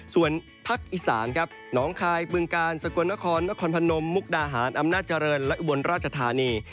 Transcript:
ส่วนภาคอีสานครับน้องคายบึงกาลสกลนครนครพนมมุกดาหารอำนาจเจริญและอุบลราชธานี